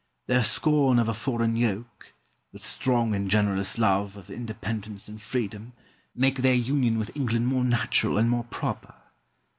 Their scorn of a foreign yoke, their strong and generous love of independence and freedom, make their union with England more natural and more proper.